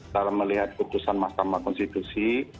dalam melihat putusan mahkamah konstitusi